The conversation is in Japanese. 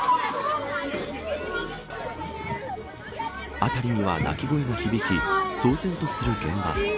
辺りには泣き声が響き騒然とする現場。